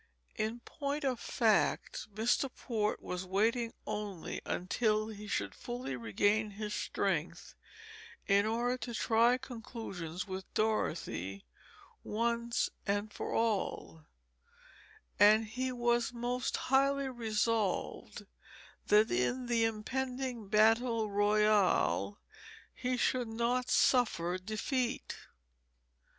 In point of fact, Mr. Port was waiting only until he should fully regain his strength in order to try conclusions with Dorothy once and for all and he was most highly resolved that in the impending battle royal he should not suffer defeat.